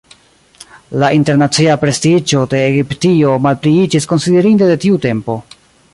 La internacia prestiĝo de Egiptio malpliiĝis konsiderinde de tiu tempo.